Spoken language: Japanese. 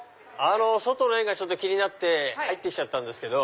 外の絵が気になって入ってきちゃったんですけど。